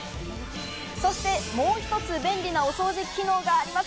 そしてもう一つ便利なお掃除機能があります。